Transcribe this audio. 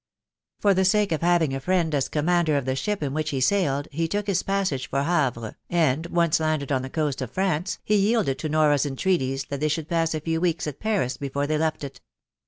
For the, sake of having a friend as commander of the ship in which he sailed, he took his passage for Havre, and, once landed on the coast of France, he yielded to Nora's entreaties that they should pass a few weeks at Paris before they left it.